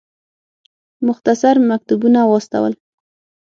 مختصر مکتوبونه واستول.